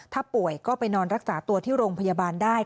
ถ้าป่วยก็ไปนอนรักษาตัวที่โรงพยาบาลได้